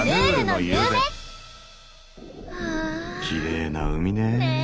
きれいな海ね。